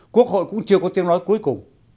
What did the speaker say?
quốc hội cũng chưa có tiếng nói cuối cùng